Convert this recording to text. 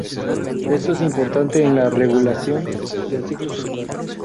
Esto es importante en la regulación del ciclo celular.